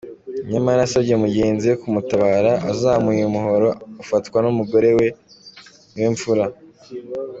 Nyamara yasabye mugenzi we kumutabara azamuye umuhoro ufatwa n’umugore wa Niwemfura .